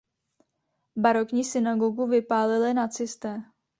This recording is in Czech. Barokní synagogu vypálili nacisté.